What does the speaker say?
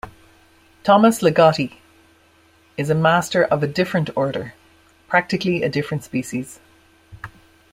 Thomas Ligotti is a master of a different order, practically a different species.